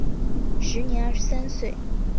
时年二十三岁。